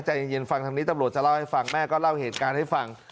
ใจเย็นฟังทางนี้ตำรวจจะเล่าให้ฟังแม่ก็เล่าเหตุการณ์ให้ฟัง